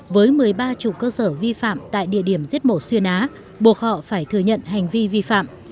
với một mươi ba chủ cơ sở vi phạm tại địa điểm giết mổ xuyên á buộc họ phải thừa nhận hành vi vi phạm